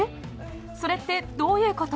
それってどういうこと？